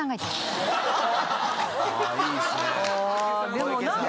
でも何か。